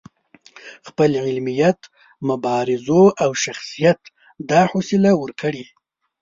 خپل علمیت، مبارزو او شخصیت دا حوصله ورکړې.